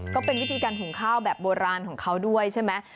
ก็เป็นวิธีการหุงข้าวแบบโบราณของเขาด้วยใช่ไหม